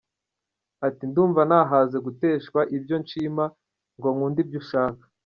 Ati “Ndumva nahaze guteshwa ibyo nshima ngo nkunde ibyo ushaka.